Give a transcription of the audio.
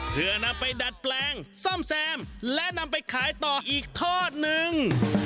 เพื่อนำไปดัดแปลงซ่อมแซมและนำไปขายต่ออีกทอดนึง